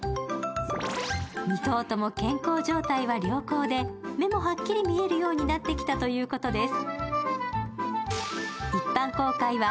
２頭とも健康状態は良好で、目もはっきり見えるようになってきたということです。